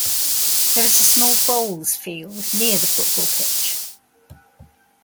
There is a small bowls field near the football pitch.